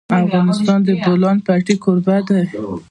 افغانستان د د بولان پټي کوربه دی.